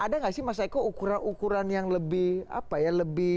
ada nggak sih mas eko ukuran ukuran yang lebih apa ya lebih